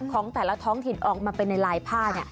ของแต่ละท้องถิ่นออกมาเป็นในลายผ้า